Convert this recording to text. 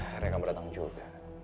hari yang gak berantem juga